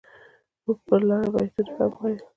موږ پر لاره بيتونه هم ويل.